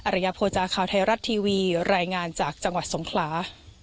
ระยะโภจาข่าวไทยรัฐทีวีรายงานจากจังหวัดสงขลา